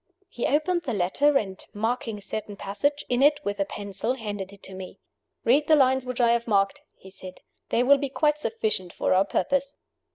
He opened the letter, and marking a certain passage in it with a pencil, handed it to me. "Read the lines which I have marked," he said; "they will be quite sufficient for our purpose."